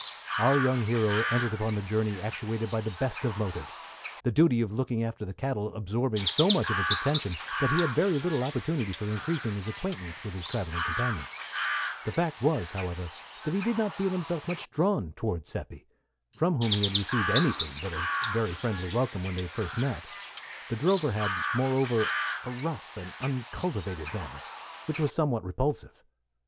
Our young hero entered upon the journey actuated by the best of motives, the duty of looking after the cattle absorbing so much of his attention that he had very little opportunity for increasing his acquaintance with his travelling companion. The fact was, however, that he did not feel himself much drawn toward Seppi, from whom he had received anything but a very friendly welcome when they first met; the drover had, moreover, a rough and uncultivated manner, which was somewhat repulsive.